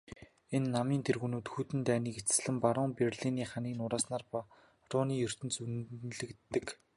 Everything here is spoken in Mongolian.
Энэ намын тэргүүнүүд хүйтэн дайныг эцэслэн баруун Берлиний ханыг нурааснаараа барууны ертөнцөд үнэлэгддэг.